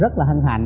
rất là hân hạnh